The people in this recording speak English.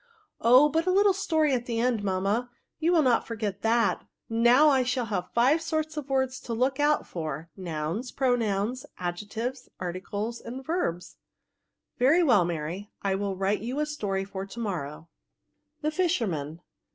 Oh, but the little story at the end, mamma, you will not forget that. Now I shall have five sorts of words to look out for — nouns, pronouns, adjectives, articles, and verbs." "Very well, Mary, I will write you a story for to morrow." THE FISHERMAN.